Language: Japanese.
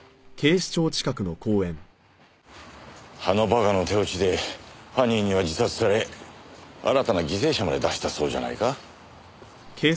あのバカの手落ちで犯人には自殺され新たな犠牲者まで出したそうじゃないか。